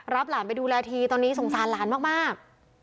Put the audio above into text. หลานไปดูแลทีตอนนี้สงสารหลานมาก